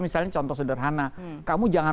misalnya contoh sederhana kamu jangan